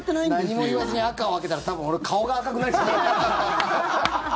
何も言わずに赤を上げたら多分、俺、顔が赤くなりそう。